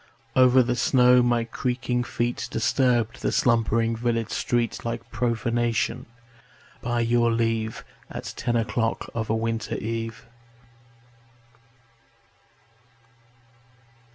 Over the snow my creaking feet Disturbed the slumbering village street Like profanation, by your leave, At ten o'clock of a winter eve.